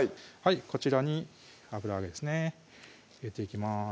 こちらに油揚げですね入れていきます